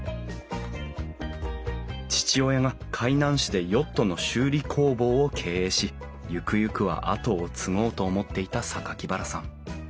父親が海南市でヨットの修理工房を経営しゆくゆくは後を継ごうと思っていた榊原さん。